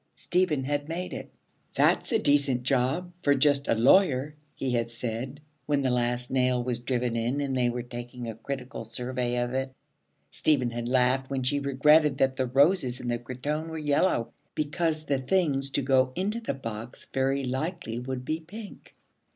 Stephen had made it. 'That's a decent job for just a lawyer,' he had said, when the last nail was driven in and they were taking a critical survey of it. Stephen had laughed when she regretted that the roses in the cretonne were yellow, because the things to go into the box very likely would be pink.